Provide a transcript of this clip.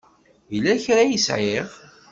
Yella kra ay sɛiɣ?